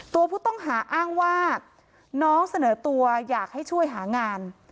ตัวผู้ต้องหาอ้างว่าน้องเสนอตัวอยากให้ช่วยหางาน